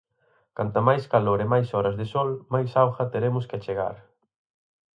Canta máis calor e máis horas de sol, máis auga teremos que achegar.